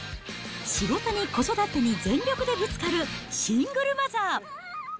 仕事に子育てに全力でぶつかるシングルマザー。